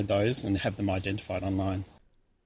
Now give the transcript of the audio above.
dan mengupload dan mengidentifikasikannya secara online